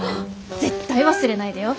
絶対忘れないでよ。